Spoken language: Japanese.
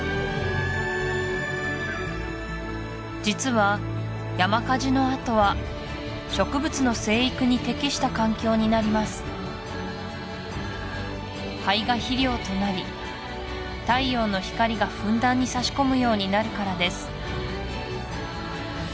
実は山火事のあとは植物の生育に適した環境になります灰が肥料となり太陽の光がふんだんにさし込むようになるからです